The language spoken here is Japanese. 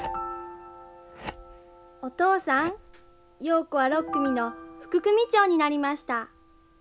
お父さん瑤子は６組の副組長になりました。